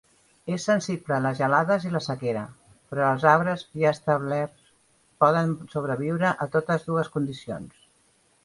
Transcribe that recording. És sensible a les gelades i la sequera, però els arbres ja establerts poden sobreviure a totes dues condicions.